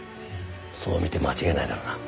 そう見て間違いないだろうな。